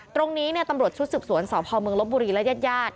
ตรงนี้ตำรวจชุดสืบสวนสพเมืองลบบุรีและญาติญาติ